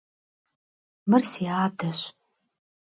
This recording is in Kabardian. Mır si adeş.